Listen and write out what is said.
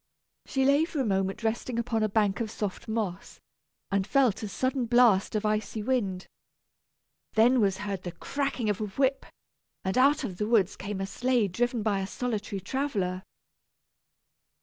She lay for a moment resting upon a bank of soft moss, and felt a sudden blast of icy wind. Then was heard the cracking of a whip, and out of the woods came a sleigh driven by a solitary traveller.